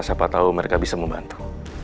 siapa tahu mereka bisa membantu